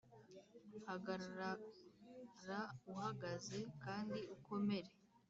hagarara uhagaze kandi ukomere